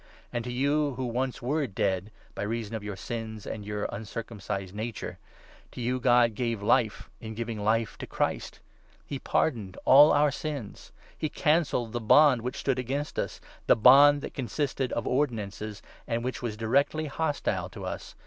And to you, who 13 once were ' dead, ' by reason of your sins and your uncircum cised nature — to you God gave Life in giving life to Christ ! He pardoned all our sins ! He cancelled the bond which 14 stood against us — the bond that consisted of ordinances— and which was directly hostile to us